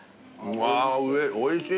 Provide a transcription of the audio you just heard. うわおいしい。